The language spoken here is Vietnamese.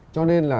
cho nên là